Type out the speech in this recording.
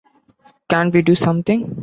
Can't we do something?